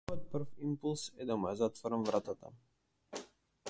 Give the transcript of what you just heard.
Мојот прв имплус е да му ја затворам вратата.